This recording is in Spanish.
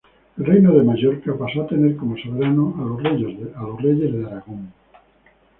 El reino de Mallorca pasó a tener como soberanos a los reyes de Aragón.